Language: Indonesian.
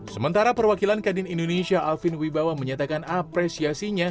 sementara perwakilan kadin indonesia alvin wibawa menyatakan apresiasinya